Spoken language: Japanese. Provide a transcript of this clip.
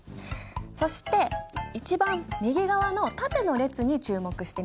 そして一番右側の縦の列に注目してみて。